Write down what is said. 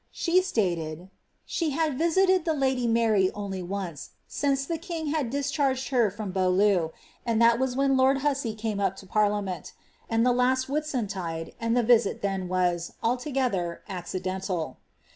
She staled, '^she had visited ihe lady Mary only once since the king had discharged her from Beautieu, and that was when lord Hussey Fftme up lo parliament, and the last Whiunntide, and ihc visit then was, aliogether, accidental."